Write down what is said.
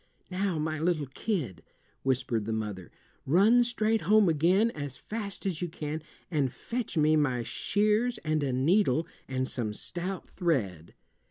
"Now, my little kid," whispered the mother, "run straight home again as fast as you can, and fetch me my shears and a needle and some stout thread."